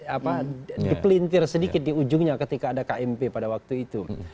apa dipelintir sedikit di ujungnya ketika ada kmp pada waktu itu